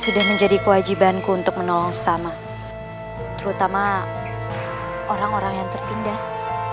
sudah menjadi kewajibanku untuk menolong sesama terutama orang orang yang tertindas